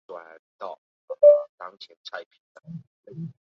各朝间镇墓兽的大小差异也不大。